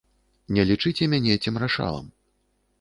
Не лічыце мяне цемрашалам.